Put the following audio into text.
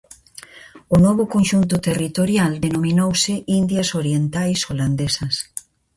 O novo conxunto territorial denominouse Indias Orientais Holandesas.